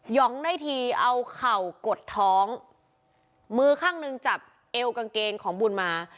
องได้ทีเอาเข่ากดท้องมือข้างหนึ่งจับเอวกางเกงของบุญมา